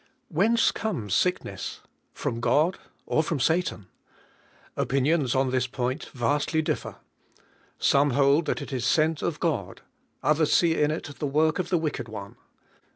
Whence comes sickness; from God or from Satan? Opinions on this point vast ly differ. Some lmhl llml il is sent of God, others sec in it the work of the Wicked mie.